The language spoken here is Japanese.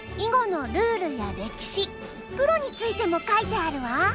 囲碁のルールや歴史プロについても書いてあるわ。